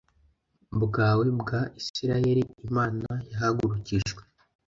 bwawe bwa Isirayeli Imana yahagurukijwe